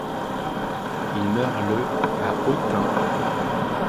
Il meurt le à Autun.